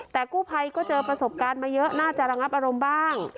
แต่กู้ภัยก็เจอประสบการณ์มาเยอะน่าจะระงับอารมณ์บ้าง